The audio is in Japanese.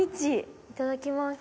いただきます。